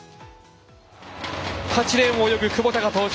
８レーンを泳ぐ窪田が登場。